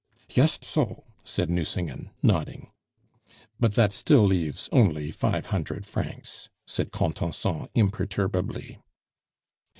"Yust so," said Nucingen, nodding. "But that still leaves only five hundred francs," said Contenson imperturbably.